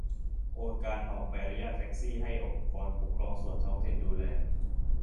โอนการออกใบอนุญาตแท็กซี่ ให้องค์กรปกครองส่วนท้องถิ่นดูแล ?